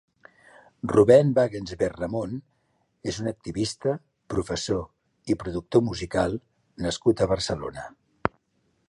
Ruben Wagensberg Ramon és un activista, professor i productor musical nascut a Barcelona.